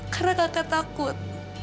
karena kakak takut